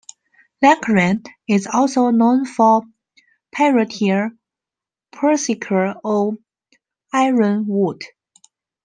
Lankaran is also known for "Parrotia persica", or ironwood.